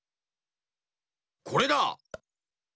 これだ！